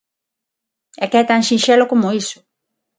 É que é tan sinxelo como iso.